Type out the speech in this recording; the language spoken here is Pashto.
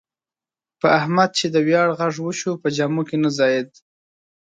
په احمد چې د بریا غږ وشو، په جامو کې نه ځایېدا.